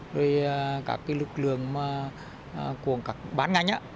rồi các cái lực lượng của các bán ngành